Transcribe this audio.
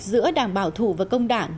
giữa đảng bảo thủ và công đảng